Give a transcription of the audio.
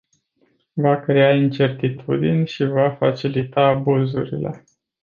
Va crea incertitudini și va facilita abuzurile.